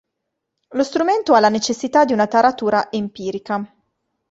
Lo strumento ha la necessità di una taratura empirica.